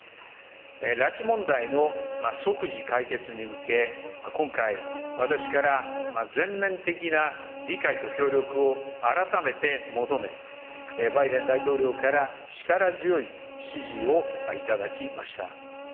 拉致問題の即時解決に向け、今回、私から全面的な理解と協力を改めて求め、バイデン大統領から力強い支持をいただきました。